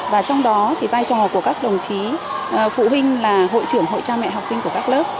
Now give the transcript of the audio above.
và trong đó thì vai trò của các đồng chí phụ huynh là hội trưởng hội cha mẹ học sinh của các lớp